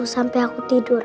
sampai aku tidur